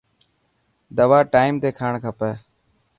دوا ٽائيم تي کاڻ کپي.